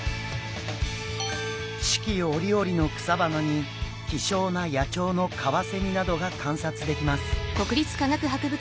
四季折々の草花に希少な野鳥のカワセミなどが観察できます。